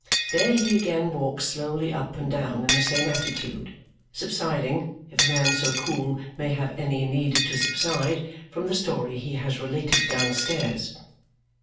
There he again walks slowly up and down in the same attitude, subsiding, if a man so cool may have any need to subside, from the story he has related downstairs.